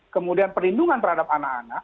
kemudian perlindungan terhadap anak anak